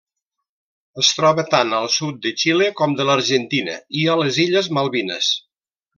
Es troba tant al sud de Xile com de l'Argentina i a les Illes Malvines.